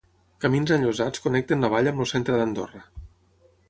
Camins enllosats connecten la vall amb el centre d'Andorra.